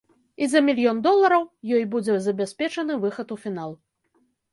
І за мільён долараў ёй будзе забяспечаны выхад у фінал.